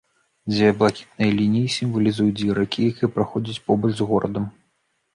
Дзве блакітныя лініі сімвалізуюць дзве ракі, якія праходзяць побач з горадам.